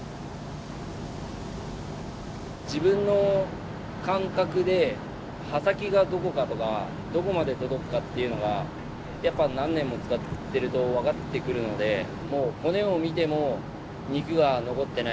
自分の感覚で刃先がどこかとかどこまで届くかっていうのがやっぱ何年も使ってると分かってくるのでもう骨を見ても肉が残ってない。